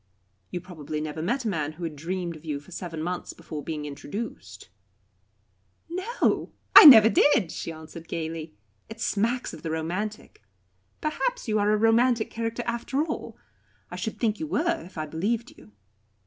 "You probably never met a man who had dreamed of you for seven months before being introduced." "No, I never did," she answered gaily. "It smacks of the romantic. Perhaps you are a romantic character after all. I should think you were, if I believed you.